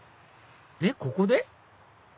えっここで？